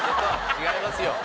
違いますよ。